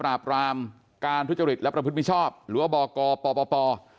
รามการทุจริตและประพฤติมิชชอบหรือว่าบกปป